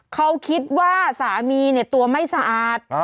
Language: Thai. เขาคิดว่าสามีตัวไม่สะอาด